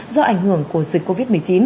do ảnh hưởng của dịch covid một mươi chín